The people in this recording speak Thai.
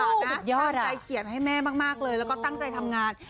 ตั้งใจเขียนให้แม่มากเลยแล้วก็ตั้งใจทำงาน